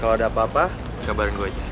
kalo ada apa apa kabarin gua aja